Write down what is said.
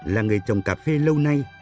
là người trồng cà phê lâu nay